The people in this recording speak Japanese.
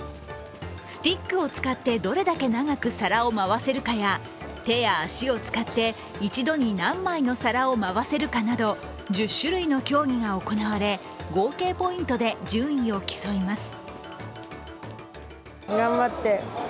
スティックを使ってどれだけ長く皿が回せるかや手や足を使って一度に何枚の皿を回せるかなど１０種類の競技が行われ、合計ポイントで順位を競います。